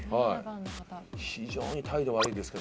非常に態度悪いですけども。